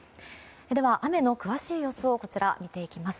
では、雨の詳しい予想を見ていきます。